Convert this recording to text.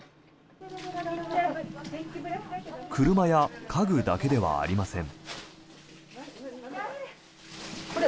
車や家具だけではありません。